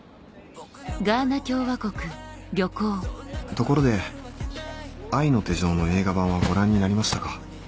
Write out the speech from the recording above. ところで『愛の手錠』の映画版はご覧になりましたか？